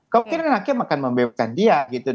mungkin akhirnya akan membebaskan dia